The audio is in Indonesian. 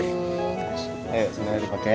ayo senang aja dipake